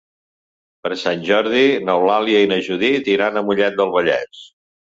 Per Sant Jordi n'Eulàlia i na Judit iran a Mollet del Vallès.